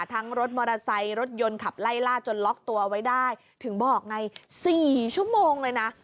รถมอเตอร์ไซค์รถยนต์ขับไล่ล่าจนล็อกตัวไว้ได้ถึงบอกไง๔ชั่วโมงเลยนะ